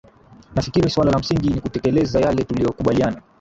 nafikiri suala la msingi ni kutekeleza yale tuliokumbaliana